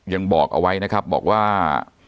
ยังบอกเอาไว้นะครับบอกว่า